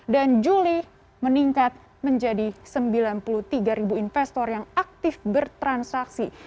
dan juli meningkat menjadi sembilan puluh tiga ribu investor yang aktif bertransaksi